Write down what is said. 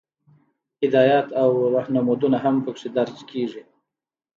هدایات او رهنمودونه هم پکې درج کیږي.